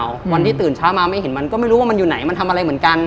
วันที่ตื่นเช้ามาไม่เห็นมันก็ไม่รู้ว่ามันอยู่ไหนมันทำอะไรเหมือนกัน